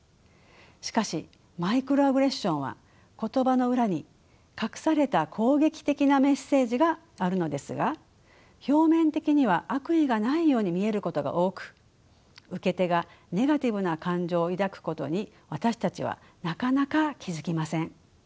しかしマイクロアグレッションは言葉の裏に隠された攻撃的なメッセージがあるのですが表面的には悪意がないように見えることが多く受け手がネガティブな感情を抱くことに私たちはなかなか気付きません。